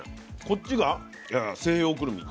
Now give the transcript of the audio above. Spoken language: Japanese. こっちが西洋ぐるみ。